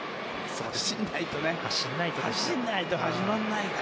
走らないと始まらないから。